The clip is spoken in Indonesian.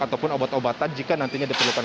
ataupun obat obatan jika nantinya diperlukan